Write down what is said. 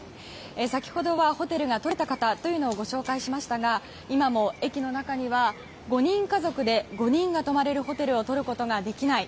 先ほどはホテルがとれた方というのをご紹介しましたが今も駅の中には５人家族で５人が泊まれるホテルをとることができない。